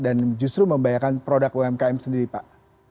dan justru membayarkan produk umkm sendiri pak